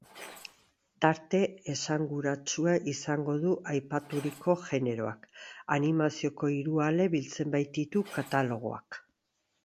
Tarte esanguratsua izango du aipaturiko generoak, animazioko hiru ale biltzen baititu katalogoak.